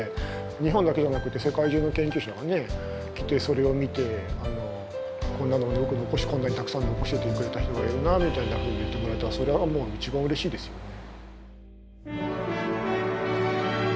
日本だけじゃなくて世界中の研究者が来てそれを見てこんなのよくこんなにたくさん残してくれた人がいるなみたいなふうに言ってもらえたらそれはもう一番うれしいですよね。